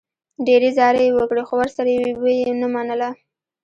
ډېرې زارۍ یې وکړې، خو ورسره و یې نه منله.